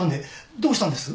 どうしたんです？